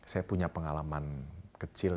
saya punya pengalaman kecil